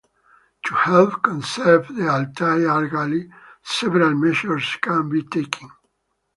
To help conserve the Altai argali, several measures can be taken.